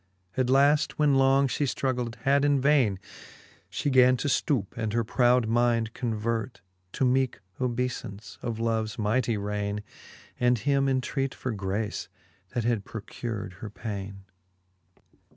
At laft when long fhe ftruggled had in vaine, She gan to ftoupe, and her proud mind convert . To meeke obeyfance of loves mightie raine. And him entreat for grace, that had procur'd her paine.